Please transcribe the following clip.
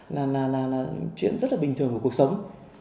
là chuyện rất là bình thường của cuộc sống